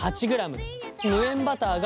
無塩バターが６ｇ。